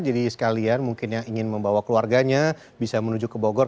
jadi sekalian mungkin yang ingin membawa keluarganya bisa menuju ke bogor